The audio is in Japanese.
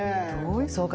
そうか。